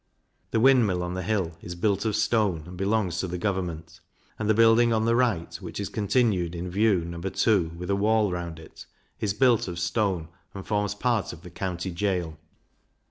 The Windmill on the hill is built of stone, and belongs to government; and the building on the right, which is continued in View, No. II. with a wall round it, is built of stone, and forms part of the County Gaol.